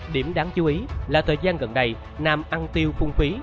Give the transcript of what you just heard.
điểm đáng chú ý là thời gian gần đây nam tiêu phung phí